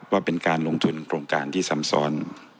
ว่าเป็นการลงทุนโครงการที่ซ้ำซ้อน